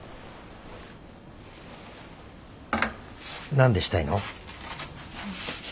何でしたいの？